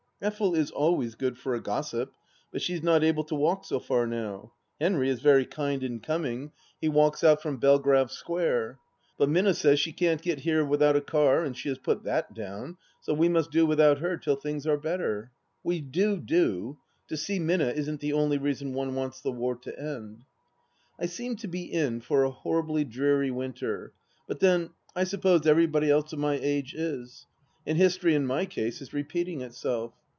Effel is always good for a gossip, but she is not able to walk so far, now. Henry is very kind in coming ; he walks out 245 246 THE LAST DITCH from Belgrave Square; but Minna says she can't get here without a car, and she has put that down, so we must do without her till things are better. .., We do do. To see Minna isn't the only reason one wants the war to end. I seem to be in for a horribly dreary winter; but then, I suppose everybody else of my age is. And History in my case is repeating itself.